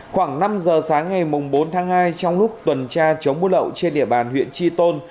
khoảng năm giờ sáng ngày bốn tháng hai trong lúc tuần tra chống buôn lậu trên địa bàn huyện tri tôn